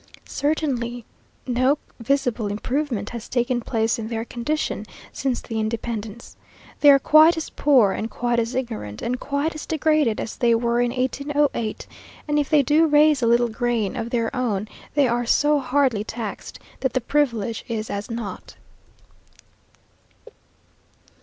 Certainly no visible improvement has taken place in their condition since the independence. They are quite as poor and quite as ignorant, and quite as degraded as they were in 1808, and if they do raise a little grain of their own, they are so hardly taxed that the privilege is as nought.